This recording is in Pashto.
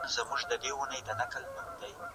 ماشوم په ډېرې ناهیلۍ سره د لښتې سوځېدلې ګوته ولیده.